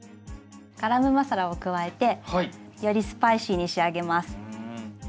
ガラムマサラを加えてよりスパイシーに仕上げます。